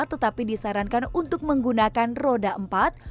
tetapi disarankan untuk menggunakan roda empat